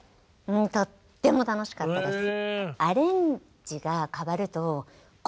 うんとっても楽しかったです。